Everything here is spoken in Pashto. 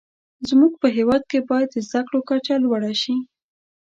زموږ په هیواد کې باید د زده کړو کچه لوړه شې.